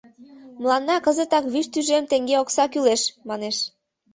«Мыланна кызытак вич тӱжем теҥге окса кӱлеш! — манеш.